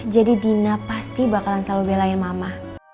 jadi dina pasti bakalan selalu belain mama